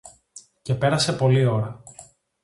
Και πέρασε πολλή ώρα.